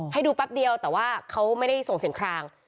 ให้ดูแป๊บเดียวแต่ว่าเขาไม่ได้ส่งเสียงคลาง